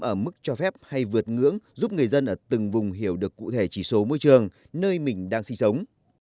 ở mức cho phép hay vượt ngưỡng giúp người dân ở từng vùng hiểu được cụ thể chỉ số môi trường